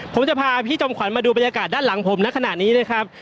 ผมจะพาพี่จอมขวัญมาดูบรรยากาศด้านหลังผมในขณะนี้นะครับ